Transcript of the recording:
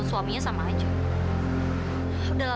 terima kasih pak